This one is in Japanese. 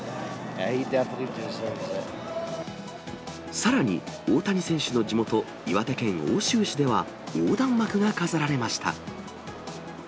さらに、大谷選手の地元、岩手県奥州市では、横断幕が飾られました。